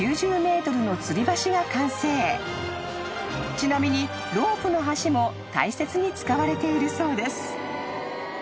［ちなみにロープの橋も大切に使われているそうです］